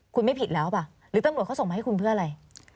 คุณไม่ผิดแล้วหรือเปล่าหรือตำรวจเขาส่งมาให้คุณเพื่ออะไร